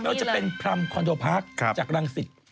ว่าจะเป็นพรรมคอนโดพาร์คจากรังสิต